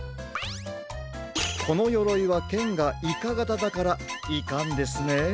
このよろいはけんがイカがただからイカんですね。